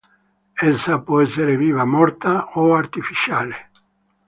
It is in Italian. Essa può essere viva, morta o artificiale.